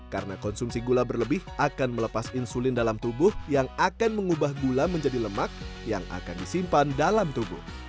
karena konsumsi gula berlebih akan melepas insulin dalam tubuh yang akan mengubah gula menjadi lemak yang akan disimpan dalam tubuh